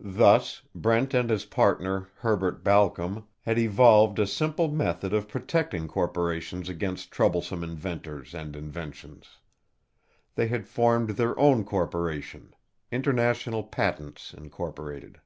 Thus, Brent and his partner, Herbert Balcom, had evolved a simple method of protecting corporations against troublesome inventors and inventions. They had formed their own corporation, International Patents, Incorporated.